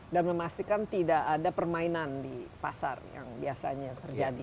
memastikan tidak ada permainan di pasar yang biasanya terjadi